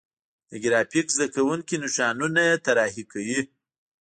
د ګرافیک زده کوونکي نشانونه طراحي کوي.